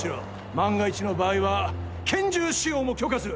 万が一の場合は拳銃使用も許可する。